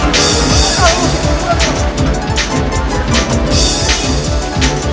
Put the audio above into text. jentes hilang gitu itu bukan makhluk bebek